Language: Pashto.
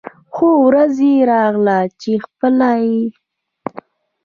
خو ورځ يې راغله چې خپله یې